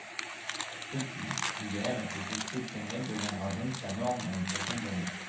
Ce qui, hier, était exceptionnel deviendra donc la norme dans les prochaines années.